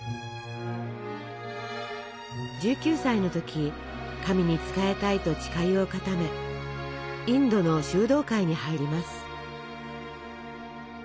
１９歳の時神に仕えたいと誓いを固めインドの修道会に入ります。